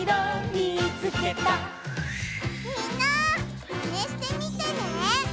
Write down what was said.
みんなマネしてみてね！